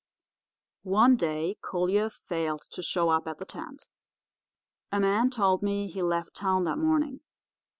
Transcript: "One day Collier failed to show up at the tent. A man told me he left town that morning.